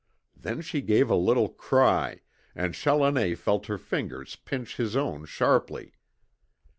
Then she gave a little cry, and Challoner felt her fingers pinch his own sharply.